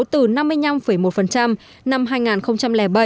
từ năm mươi năm một năm hai nghìn bảy